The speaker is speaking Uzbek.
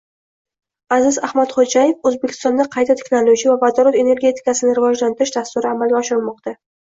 Azim Axmedxo‘jayev: “O‘zbekistonda qayta tiklanuvchi va vodorod energetikasini rivojlantirish dasturi amalga oshirilmoqda”